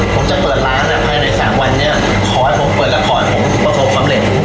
ผมจะเปิดร้านนะภายในสามวันนี้ขอให้ผมเปิดร้านขอให้ผมประโยชน์ความเหล็ก